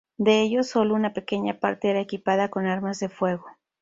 De ellos, sólo una pequeña parte era equipada con armas de fuego.